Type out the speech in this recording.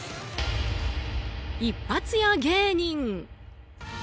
一発屋芸人。